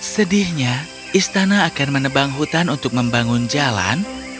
sedihnya istana akan menebang hutan untuk membangun jalan